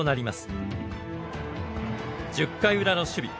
１０回ウラの守備。